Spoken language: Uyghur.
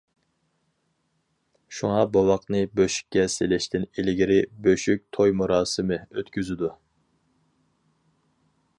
شۇڭا بوۋاقنى بۆشۈككە سېلىشتىن ئىلگىرى «بۆشۈك توي مۇراسىمى» ئۆتكۈزىدۇ.